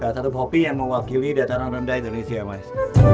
satu kopi yang mewakili dataran rendah indonesia mas